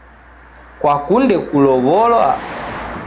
Kwakunde kulow'olwa?